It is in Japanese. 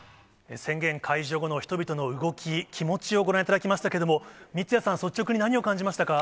宣言解除後の人々の動き、気持ちをご覧いただきましたけれども、三屋さん、率直に何を感じ